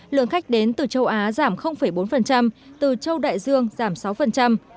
lượng khách đến từ châu á giảm bốn từ châu đại dương giảm sáu